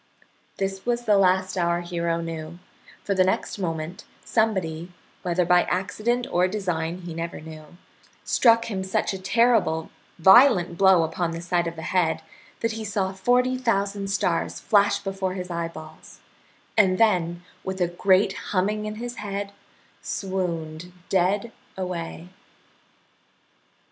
This was the last our hero knew, for the next moment somebody whether by accident or design he never knew struck him such a terrible violent blow upon the side of the head that he saw forty thousand stars flash before his eyeballs, and then, with a great humming in his head, swooned dead away.